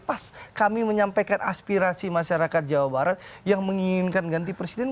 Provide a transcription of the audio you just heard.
pas kami menyampaikan aspirasi masyarakat jawa barat yang menginginkan ganti presiden